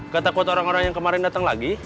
ketakut orang orang yang kemarin dateng lagi